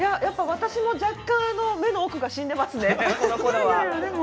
私も若干目の奥が死んでますね。